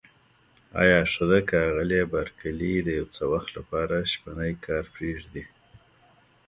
آیا ښه ده که آغلې بارکلي د یو څه وخت لپاره شپنی کار پرېږدي؟